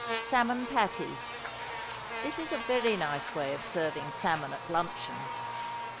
=Salmon Patties.= This is a very nice way of serving salmon at luncheon.